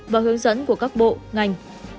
và hướng dẫn của các bộ ngành